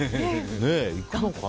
行くのかな。